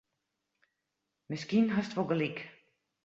Miskien hast wol gelyk.